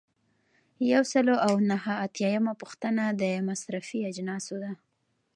یو سل او نهه اتیایمه پوښتنه د مصرفي اجناسو ده.